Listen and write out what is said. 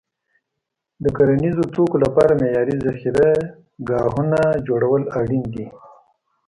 د کرنیزو توکو لپاره معیاري ذخیره ګاهونه جوړول اړین دي.